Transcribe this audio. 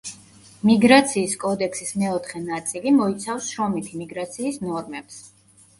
მიგრაციის კოდექსის მეოთხე ნაწილი მოიცავს შრომითი მიგრაციის ნორმებს.